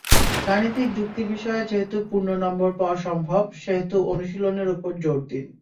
গাণিতিক যুক্তি বিষয়ে যেহেতু পূর্ণ নম্বর পাওয়া সম্ভব, সেহেতু অনুশীলনের ওপর জোর দিন।